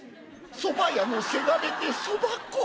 そば屋のせがれでそば粉」。